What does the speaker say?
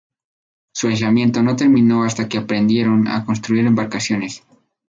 Su aislamiento no terminó hasta que aprendieron a construir embarcaciones.